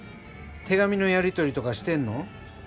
手紙のやり取りとかしてんの？